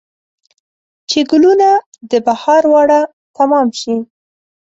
چې ګلونه د بهار واړه تمام شي